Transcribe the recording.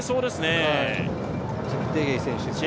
チェプテゲイ選手ですね